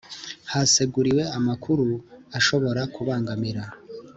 Haseguriwe amakuru ashobora kubangamira